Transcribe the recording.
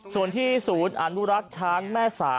ส่วนสูตรนรักชาญแม่สา